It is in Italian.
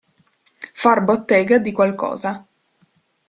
Far bottega di qualcosa.